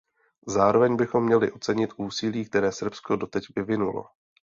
Zároveň bychom měli ocenit úsilí, které Srbsko doteď vyvinulo.